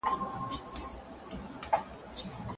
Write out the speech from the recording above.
آيا دا د سورت نوم دی؟